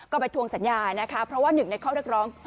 ก็ไปทวงสัญญานะคะเพราะว่าหนึ่งในข้อเรียกร้อง